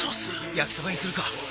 焼きそばにするか！